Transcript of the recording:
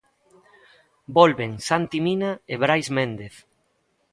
Volven Santi Mina e Brais Méndez.